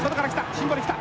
シンボリ来た。